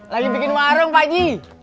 lagi bikin warung pak ji